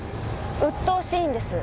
うっとおしいんです！